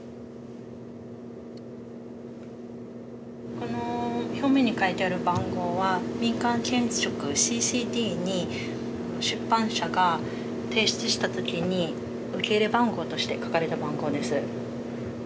この表面に書いてある番号は民間検閲局ＣＣＤに出版社が提出したときに受け入れ番号として書かれた番号です。